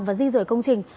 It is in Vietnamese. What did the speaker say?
và di rời công trình